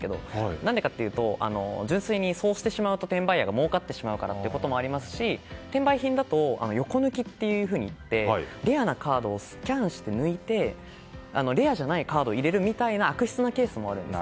何でかというと純粋に、そうしてしまうと転売ヤーが儲かってしまうからというのもありますし転売品だと横抜きと言ってレアなカードをスキャンして抜いて、レアじゃないカードを入れるみたいな悪質なケースもあるんです。